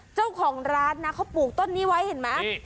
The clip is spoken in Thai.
เจ้าของร้านนะเขาปลูกต้นนี้ไว้เห็นไหม